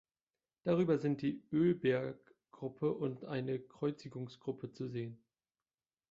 Darüber sind die Ölberggruppe und eine Kreuzigungsgruppe zu sehen.